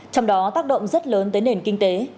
trong đó tác động rất lớn tới nền kinh tế